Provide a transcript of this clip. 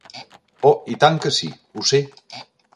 Oh, i tant que sí, ho sé.